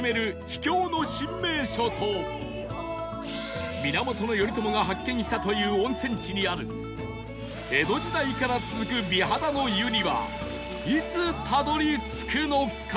秘境の新名所と源頼朝が発見したという温泉地にある江戸時代から続く美肌の湯にはいつたどり着くのか？